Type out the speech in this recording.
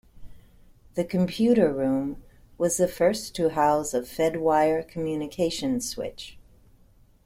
The computer room was the first to house a Fedwire communications switch.